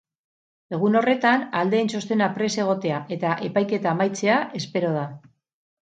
Egun horretan, aldeen txostena prest egotea eta epaiketa amaitzea espero da.